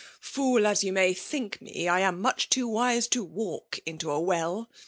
— Fool as you may think me, I am much too wise to walk into a well!